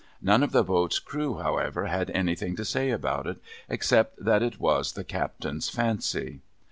None of the boat's crew, however, had anything to say about it, except that it was the captain's fancy.